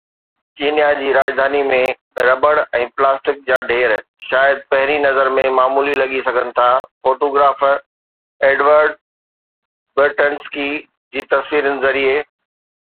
Kenya جي راڄڌاني ۾ rubber ۽ plastic جا ڍير شايد پهرين نظر ۾ معمولي لڳي سگهن ٿا فوٽوگرافر ايڊورڊ برٽينسڪي جي تصويرن ذريعي.